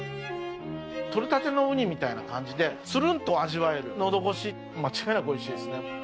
とれたてのウニみたいな感じでつるんと味わえる喉越し間違いなくおいしいですね。